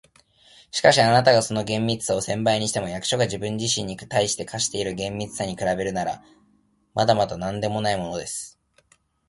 「しかし、あなたがその厳密さを千倍にしても、役所が自分自身に対して課している厳密さに比べるなら、まだまだなんでもないものです。